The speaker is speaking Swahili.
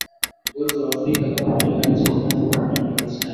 ngozi wa afrika kama wale wa nchi ambazo kwa mfano pakistan